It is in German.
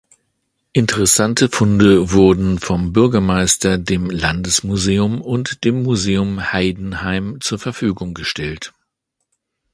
Interessante Funde wurden vom Bürgermeister dem Landesmuseum und dem Museum Heidenheim zur Verfügung gestellt.